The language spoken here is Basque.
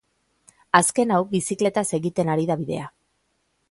Azken hau bizikletaz egiten ari da bidea.